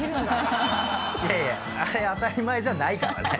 いやいやあれ当たり前じゃないからね。